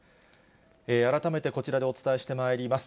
改めてこちらでお伝えしてまいります。